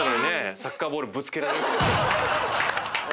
サッカーボールぶつけられるとは。